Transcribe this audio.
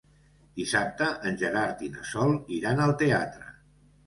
Dissabte en Gerard i na Sol iran al teatre.